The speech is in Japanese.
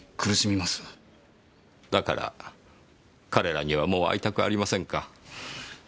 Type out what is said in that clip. だから彼らにはもう会いたくありませんか？